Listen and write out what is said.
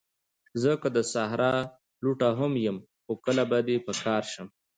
زه که د صحرا لوټه هم یم، خو کله به دي په کار شم